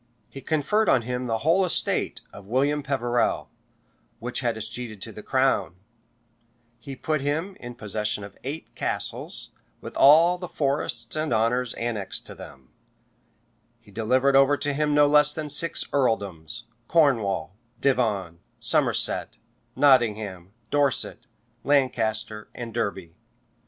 He conferred on him the whole estate of William Peverell, which had escheated to the crown: he put him in possession of eight castles, with all the forests and honors annexed to them: he delivered over to him no less than six earldoms, Cornwall, Devon, Somerset, Nottingham, Dorset, Lancaster and Derby.